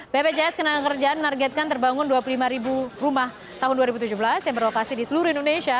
bpjs kenangan kerjaan menargetkan terbangun dua puluh lima rumah tahun dua ribu tujuh belas yang berlokasi di seluruh indonesia